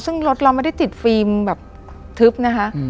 ซึ่งรถเราไม่ได้ติดฟิล์มแบบทึบนะคะ